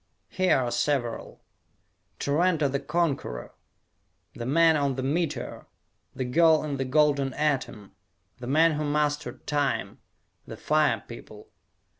Here are several: "Tarranto the Conqueror," "The Man on the Meteor," "The Girl in the Golden Atom," "The Man Who Mastered Time," "The Fire People."